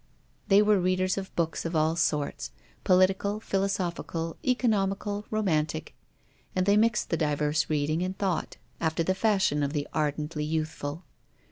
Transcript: They were readers of books of all sorts, political, philosophical, economical, romantic; and they mixed the diverse readings in thought, after the fashion of the ardently youthful.